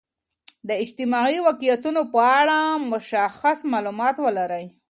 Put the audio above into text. د اجتماعي واقعیتونو په اړه مشخص معلومات ولرئ.